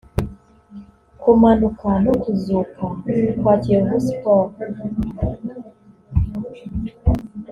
Kumanuka no kuzuka kwa Kiyovu Sports